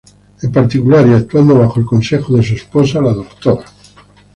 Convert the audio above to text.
En particular, y actuando bajo el consejo de su esposa, la Dra.